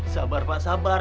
sabar pak sabar